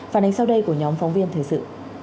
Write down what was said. phản ánh sau đây của nhóm phóng viên thời sự